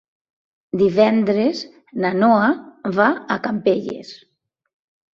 Divendres na Noa va a Campelles.